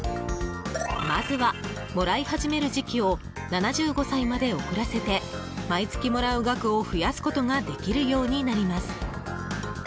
まずは、もらい始める時期を７５歳まで遅らせて毎月もらう額を増やすことができるようになります。